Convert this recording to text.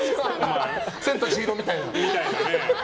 「千と千尋」みたいな。